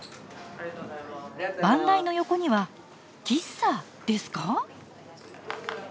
番台の横には喫茶ですか？